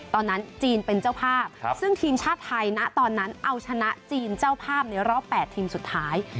ตอนนั้นจีนเป็นเจ้าภาพซึ่งทีมชาติไทยนะตอนนั้นเอาชนะจีนเจ้าภาพในรอบ๘ทีมสุดท้าย